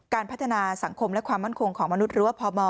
การพัฒนาสังคมและความมั่นคงของมนุษย์หรือว่าพม